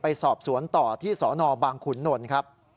ไปสอบสวนต่อที่สนบางขุนนลครับ